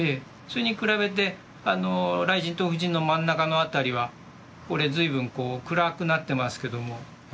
それに比べて雷神と風神の真ん中の辺りは随分こう暗くなってますけども。